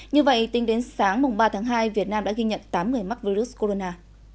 như vậy tính đến sáng ba tháng hai việt nam đã ghi nhận tám người mắc virus corona